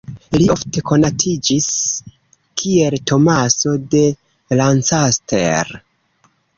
Li ofte konatiĝis kiel Tomaso de Lancaster.